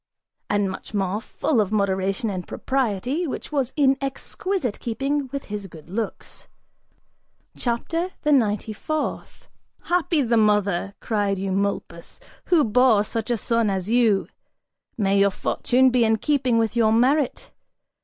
And much more, full of moderation and propriety, which was in exquisite keeping with his good looks. CHAPTER THE NINETY FOURTH. "Happy the mother," cried Eumolpus, "who bore such a son as you! May your fortune be in keeping with your merit!